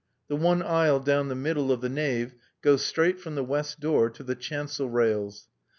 The one aisle down the middle of the nave goes straight from the west door to the chancel rails.